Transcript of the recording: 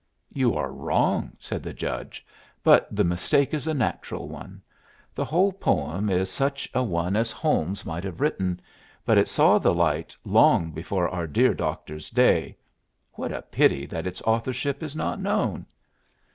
"You are wrong," said the Judge, "but the mistake is a natural one. The whole poem is such a one as Holmes might have written, but it saw the light long before our dear doctor's day: what a pity that its authorship is not known!"